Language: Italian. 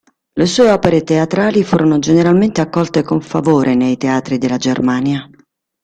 Le sue opere teatrali furono generalmente accolte con favore nei teatri della Germania.